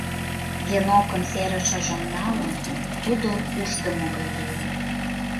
Генокын серышыжым налын, тудо ушдымо гай лийын.